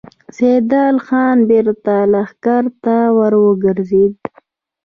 سيدال خان بېرته لښکر ته ور وګرځېد.